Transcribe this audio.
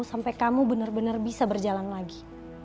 sampai kamu benar benar bisa berjalan lagi